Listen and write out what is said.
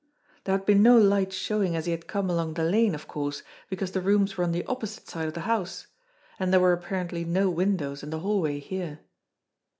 There had been no light showing as he had come along the lane, of course, because the rooms were on the opposite side of the house, and there were apparently no windows in the hallway here.